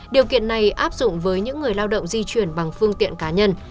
điều kiện này áp dụng với những người lao động di chuyển bằng phương tiện cá nhân